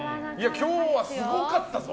今日はすごかったぞ。